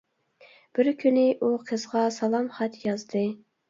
بىر كۈنى ئۇ قىزغا سالام خەت يازدى.